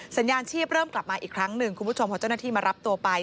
สัญญาณชีพเริ่มกลับมาอีกครั้งหนึ่งคุณผู้ชมพอเจ้าหน้าที่มารับตัวไป